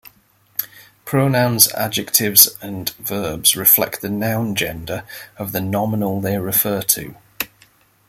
Pronouns, adjectives, and verbs reflect the noun gender of the nominal they refer to.